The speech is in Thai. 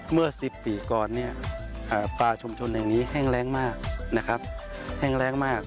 เมื่อ๑๐ปีก่อนเนี่ยป่าชมชนอย่างนี้แห้งแรงมาก